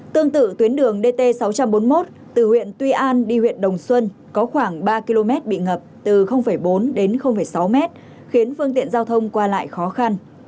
tương tự tuyến đường dt sáu trăm bốn mươi một từ huyện tuy an đi huyện đồng xuân có khoảng ba km bị ngập từ bốn đến sáu mét khiến phương tiện giao thông qua lại khó khăn